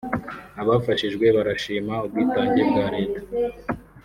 Abafashijwe barashima ubwitange bwa leta